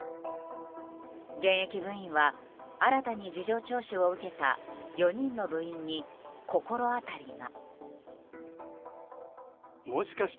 現役部員は新たに事情聴取を受けた４人の部員に心当たりが。